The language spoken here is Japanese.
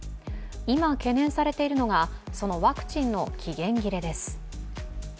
今懸念されているのがそのワクチンの期限切れです。